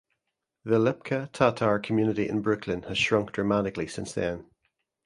The Lipka Tatar community in Brooklyn has shrunk dramatically since then.